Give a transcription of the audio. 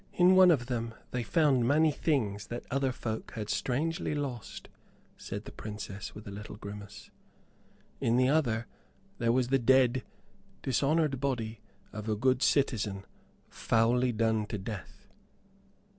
"In one of them they found many things that other folk had strangely lost," said the Princess, with a little grimace. "In the other there was the dead, dishonored body of a good citizen foully done to death."